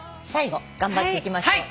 頑張っていきましょう。